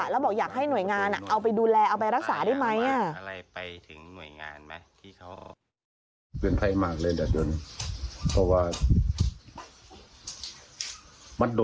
แล้วบอกอยากให้หน่วยงานเอาไปดูแลเอาไปรักษาได้ไหม